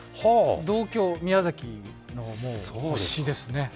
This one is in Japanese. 同郷、宮崎の星ですね。